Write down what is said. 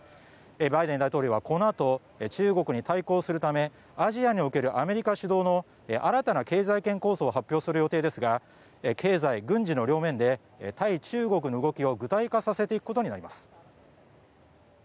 バイデン大統領はこのあと中国に対抗するためアジアにおけるアメリカ主導の新たな経済圏構想を発表する予定ですが経済、軍事の両面で対中国の動きを具体化させていくことになります。